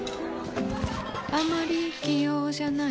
あまり器用じゃないほうです。